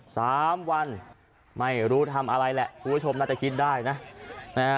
สามวันไม่รู้ทำอะไรแหละคุณผู้ชมน่าจะคิดได้นะนะฮะ